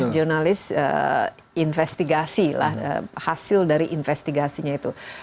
jurnalis investigasi lah hasil dari investigasinya itu